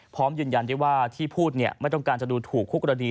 พร้อมยืนยันได้ว่าที่พูดไม่ต้องการจะดูถูกคู่กรณี